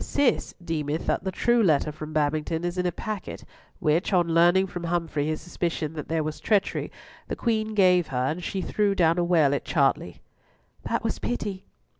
Cis deemeth that the true letter from Babington is in a packet which, on learning from Humfrey his suspicion that there was treachery, the Queen gave her, and she threw down a well at Chartley." "That was pity."